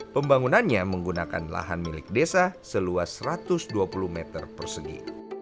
pembangunannya menggunakan lahan milik desa seluas satu ratus dua puluh meter persegi